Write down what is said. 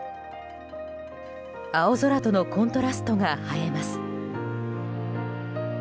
青空とのコントラストが映えます。